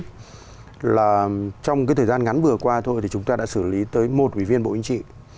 thì trong cái thời gian ngắn vừa qua thôi thì chúng ta đã xử lý tới một ủy viên bộ chính trị